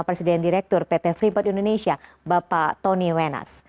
presiden direktur pt freeport indonesia bapak tony wenas